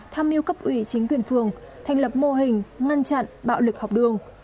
tham mưu cấp ủy chính quyền phường thành lập mô hình ngăn chặn bạo lực học đường